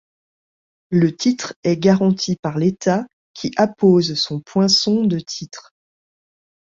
Le titre est garanti par l'État, qui appose son poinçon de titre.